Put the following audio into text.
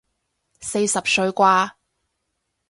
四十歲啩